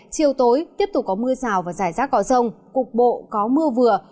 chiều tối tiếp tục có mưa rào và giải rác cỏ rông cục bộ có mưa vừa